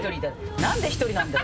なんで１人なんだよ！